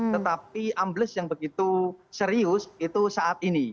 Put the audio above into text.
tetapi ambles yang begitu serius itu saat ini